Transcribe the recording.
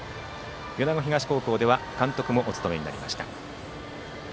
米子東高校では監督もお務めになりました。